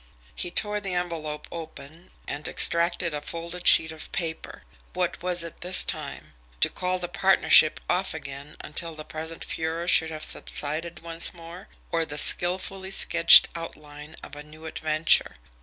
He tore the envelope open, and extracted a folded sheet of paper. What was it this time? To call the partnership off again until the present furor should have subsided once more or the skilfully sketched outline of a new adventure?